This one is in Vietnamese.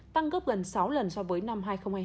tăng gấp gần sáu lần so với năm hai nghìn hai mươi hai